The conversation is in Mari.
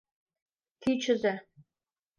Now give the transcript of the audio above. КӰЧЫЗӦ